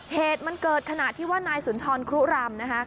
เหตุมันเกิดขณะที่ว่านายสุนทรครุรำนะคะ